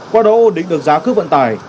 qua đó ổn định được giá cước vận tải